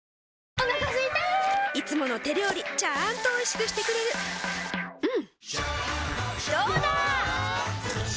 お腹すいたいつもの手料理ちゃんとおいしくしてくれるジューうんどうだわ！